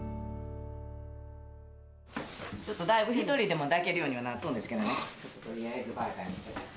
ちょっとだいぶ一人でも抱けるようにはなっとんですけどね。